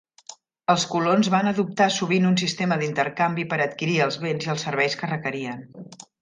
Els colons van adoptar sovint un sistema d'intercanvi per adquirir els béns i els serveis que requerien.